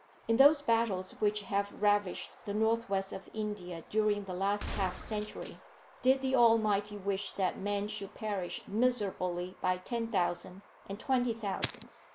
In those battles which have ravished the North west of India during the last half century, did the Almighty wish that men should perish miserably by ten thousands and twenty thousands?